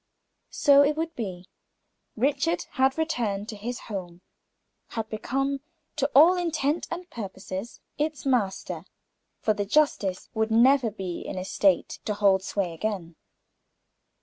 So it would be. Richard had returned to his home, had become, to all intent and purposes, its master; for the justice would never be in a state to hold sway again.